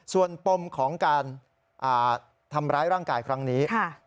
ส่วนปมของการทำร้ายร่างกายครั้งนี้